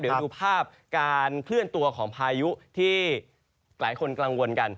เดี๋ยวดูภาพการเคลื่อนตัวของพายุที่หลายคนกังวลกัน